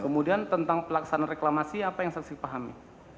kemudian tentang pelaksanaan reklamasi apa yang saksi pahami